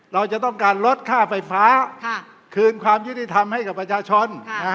เราจะต้องการลดค่าไฟฟ้าคืนความยุติธรรมให้กับประชาชน